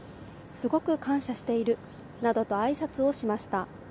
すごく感謝している、などとあいさつをしました。